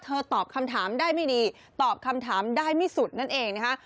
ตอบคำถามได้ไม่ดีตอบคำถามได้ไม่สุดนั่นเองนะคะ